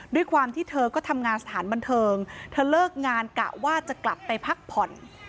ด้วยความที่เธอก็ทำงานสถานบันเทิงเธอเลิกงานกะว่าจะกลับไปพักผ่อน